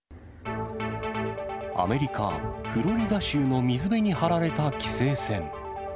アメリカ・フロリダ州の水辺に張られた規制線。